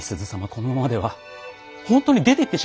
このままでは本当に出てってしまいやすよ。